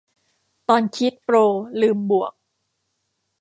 ตอนคิดโปรลืมบวก